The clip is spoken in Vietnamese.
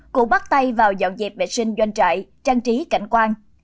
cũng bắt tay vào dọn dẹp vệ sinh doanh trại trang trí cảnh quan